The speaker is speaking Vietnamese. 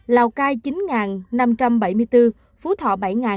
lào cai chín năm trăm bảy mươi bốn phú thọ bảy tám trăm sáu mươi bảy